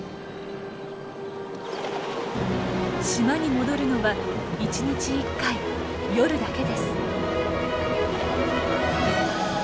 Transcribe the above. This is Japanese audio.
島に戻るのは一日一回夜だけです。